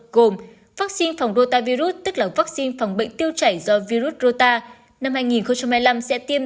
gồm vaccine phòng ruta virus tức là vaccine phòng bệnh tiêu chảy do virus rota năm hai nghìn hai mươi năm sẽ tiêm